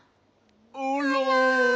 あら。